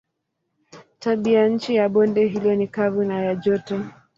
Tabianchi ya bonde hilo ni kavu na ya joto.